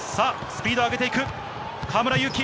スピードを上げていく、河村勇輝。